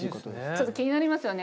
ちょっと気になりますよね。